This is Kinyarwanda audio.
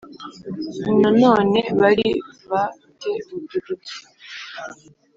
Nanone bari ba te udu duke